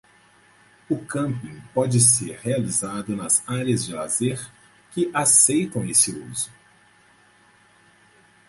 O camping pode ser realizado nas áreas de lazer que aceitam esse uso.